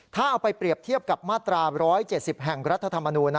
ถ้าเอาไปเปรียบเทียบกับมาตรา๑๗๐แห่งรัฐธรรมนูญ